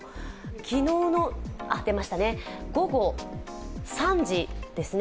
昨日の午後３時ですね。